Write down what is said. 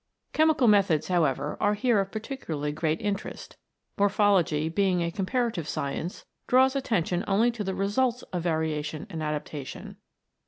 Chemical methods, however, are here of particularly great interest. Morphology, being a comparative science, draws attention only to the results of variation and adaptation.